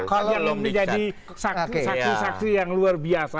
kalau menjadi saksi saksi yang luar biasa